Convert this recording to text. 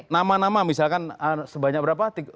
nama nama misalkan sebanyak berapa